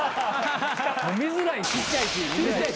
見づらいちっちゃいし。